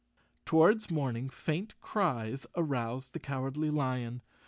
Towards morning faint cries aroused the Cowardly Lion.